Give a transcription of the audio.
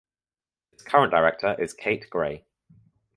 Its current director is Kate Gray.